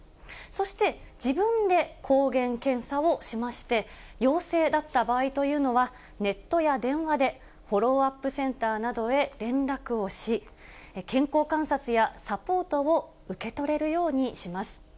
そして、自分で抗原検査をしまして、陽性だった場合というのは、ネットや電話でフォローアップセンターなどへ連絡をし、健康観察やサポートを受け取れるようにします。